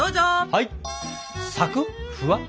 はい！